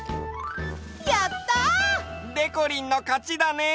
やった！でこりんのかちだね！